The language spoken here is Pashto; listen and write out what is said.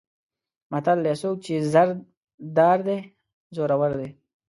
متل دی: څوک چې زر دار دی زورور دی.